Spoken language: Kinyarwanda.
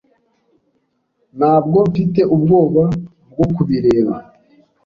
Ntabwo mfite ubwoba bwo kubireba.